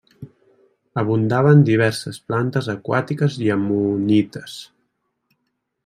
Abundaven diverses plantes aquàtiques i ammonites.